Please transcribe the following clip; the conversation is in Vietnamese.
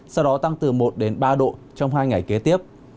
sau đó tăng từ một đến ba độ trong hai ngày kế tiếp